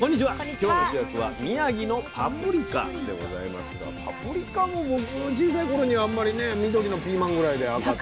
今日の主役は宮城のパプリカでございますがパプリカも僕小さい頃にあんまりね緑のピーマンぐらいで赤と。